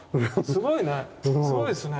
すごいね。